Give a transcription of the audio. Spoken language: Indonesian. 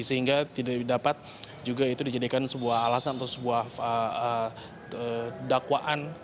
sehingga tidak dapat juga itu dijadikan sebuah alasan atau sebuah dakwaan